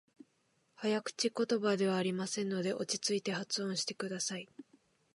早口言葉ではありませんので、落ち着いて発音してください。